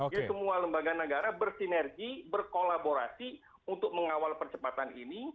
semua lembaga negara bersinergi berkolaborasi untuk mengawal percepatan ini